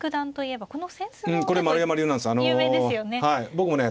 僕もね